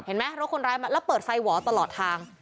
เห็นไหมรถคนร้ายมาแล้วเปิดไฟหวอตลอดทาง